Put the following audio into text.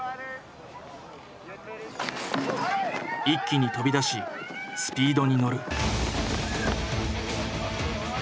一気に飛び出しスピードに乗る。